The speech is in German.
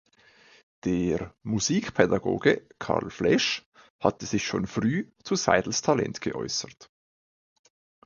Der Musikpädagoge Carl Flesch hatte sich schon früh zu Seidels Talent geäußert.